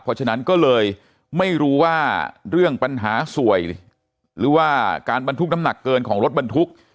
เพราะฉะนั้นก็เลยไม่รู้ว่าเรื่องปัญหาสวยหรือว่าการบรรทุกน้ำหนักเกินของรถบรรทุก